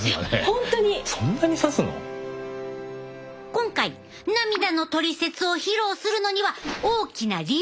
今回涙のトリセツを披露するのには大きな理由があるねん。